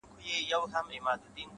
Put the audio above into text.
نو نن؛